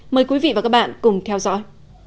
mời quý vị và các bạn cùng theo dõi